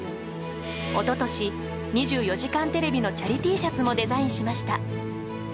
一昨年、「２４時間テレビ」のチャリＴシャツもデザインしました。